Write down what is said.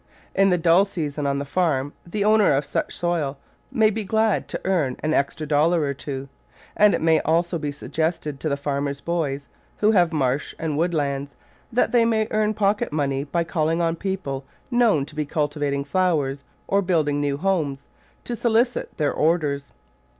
In the dull season on the farm the owner of such soil may be glad to earn an extra dollar or two, and it may also be suggested to the farmers' boys, who have marsh and wood lands, that they may earn pocket money by calling on people known to be cul tivating flowers or building new homes, to solicit their orders.